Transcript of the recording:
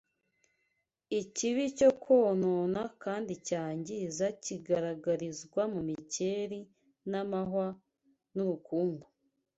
Ikibi cyonona kandi cyangiza kigaragarizwa mu mikeri n’amahwa n’urukungu.